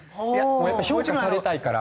やっぱ評価されたいから。